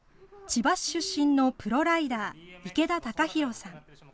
千葉市出身のプロライダー、池田貴広さん。